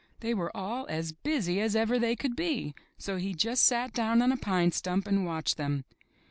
They were all as busy as ever they could be, so he just sat down on a pine stump and watched them.